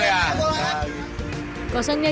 oh kampung seberang ya